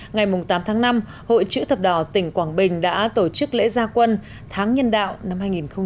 ngày tám tháng năm hội chữ thập đỏ tỉnh quảng bình đã tổ chức lễ gia quân tháng nhân đạo năm hai nghìn một mươi chín